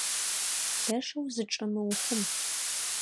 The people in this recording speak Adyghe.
Лъэшэу зычӏэмыухъум!